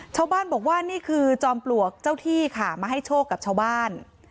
ชาวบ้านบอกว่านี่คือจอมปลวกเจ้าที่ค่ะมาให้โชคกับชาวบ้าน